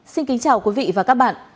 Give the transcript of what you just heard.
xin kính chào quý vị và các bạn